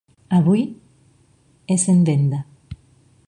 Avui és en venda.